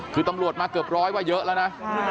คือตำรวจมาเกือบร้อยว่าเยอะแล้วนะ